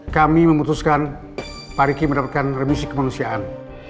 kami memutuskan pariki mendapatkan remisi kemanusiaan